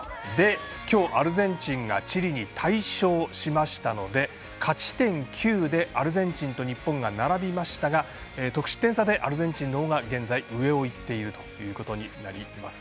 今日、アルゼンチンがチリに大勝しましたので勝ち点９で、アルゼンチンと日本並びましたが得失点差でアルゼンチンの方が現在、上をいっているということになります。